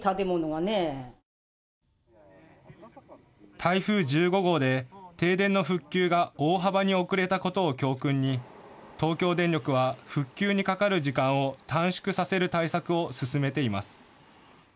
台風１５号で停電の復旧が大幅に遅れたことを教訓に東京電力は復旧にかかる時間を短縮させる対策を進めています。